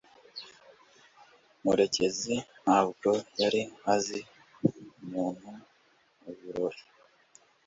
Murekezi ntabwo yari azi umuntu mubirori.